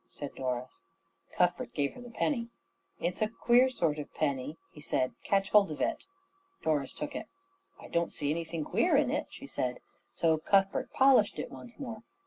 said Doris. Cuthbert gave her the penny. "It's a queer sort of penny," he said. "Catch hold of it." Doris took it. "I don't see anything queer in it," she said. So Cuthbert polished it once more.